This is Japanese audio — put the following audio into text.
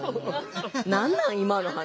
何なん今の話。